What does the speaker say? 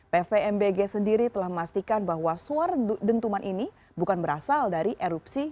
pvmbg sendiri telah memastikan bahwa suara dentuman ini bukan berasal dari erupsi